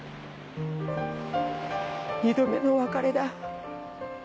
二度目のお別れだ。